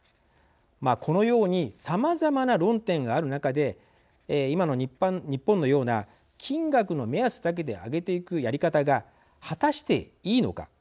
このようにさまざまな論点がある中で今の日本のような金額の目安だけで上げていくやり方が果たしていいのか。